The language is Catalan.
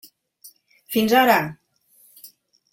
Fins ara.